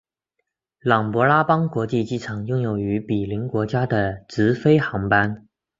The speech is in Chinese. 琅勃拉邦国际机场拥有与毗邻国家的直飞航班。